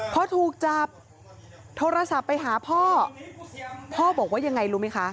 พอถูกจับโทรศัพท์ไปหาพ่อพ่อบอกว่ายังไงรู้ไหมคะ